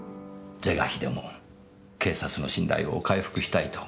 是が非でも警察の信頼を回復したいと。